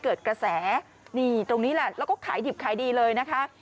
เกิดกระแสนี่ตรงนี้แหละแล้วก็ขายดิบขายดีเลยนะคะ